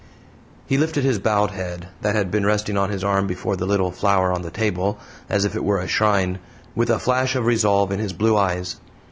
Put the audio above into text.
He lifted his bowed head, that had been resting on his arm before the little flower on the table as if it were a shrine with a flash of resolve in his blue eyes.